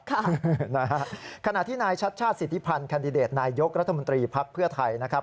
ครับนะฮะขณะที่นายชัดชาติสิทธิพันธ์นายยกรัฐมนตรีภักดิ์เพื่อไทยนะครับ